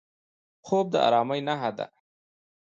خوب د ارامۍ نښه ده